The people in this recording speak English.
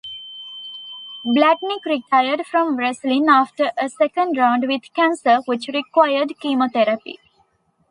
Blatnick retired from wrestling after a second round with cancer, which required chemotherapy.